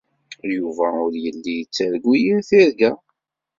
Yuba ur yelli yettargu yir tirga.